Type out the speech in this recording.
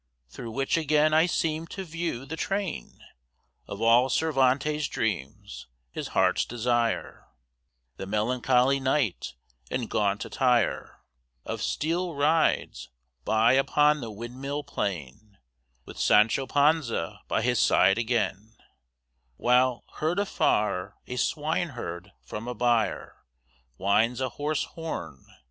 Through which again I seem to view the train Of all Cervantes' dreams, his heart's desire: The melancholy Knight, in gaunt attire Of steel rides by upon the windmill plain With Sancho Panza by his side again, While, heard afar, a swineherd from a byre Winds a hoarse horn.